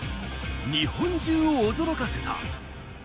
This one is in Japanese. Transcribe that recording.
日本中を驚かせた。